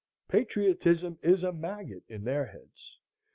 Patriotism is a maggot in their heads.